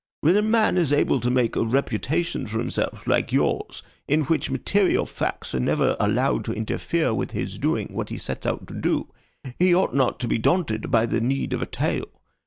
"When a man is able to make a reputation for himself like yours, in which material facts are never allowed to interfere with his doing what he sets out to do, he ought not to be daunted by the need of a tail.